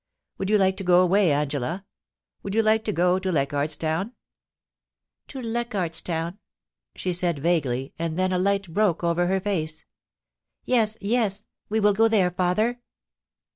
Would you like to go away, Angela ? Would you like to go to Leichardt's Town ?To Leichardt's Town,' she said vaguely, and then a light broke over her face; *yes, yes, we will go there, father.'